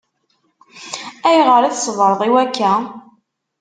Ayɣer i tṣebreḍ i wakka?